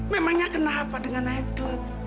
memangnya kenapa dengan naik teluk